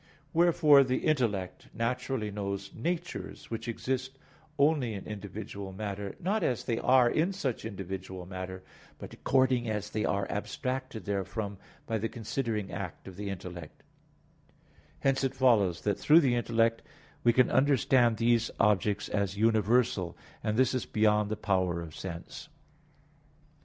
Wherefore the intellect naturally knows natures which exist only in individual matter; not as they are in such individual matter, but according as they are abstracted therefrom by the considering act of the intellect; hence it follows that through the intellect we can understand these objects as universal; and this is beyond the power of the sense.